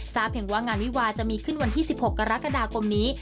เพียงว่างานวิวาจะมีขึ้นวันที่๑๖กรกฎาคมนี้